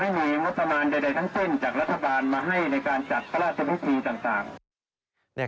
มาให้ในการจัดพระราชพิธีต่าง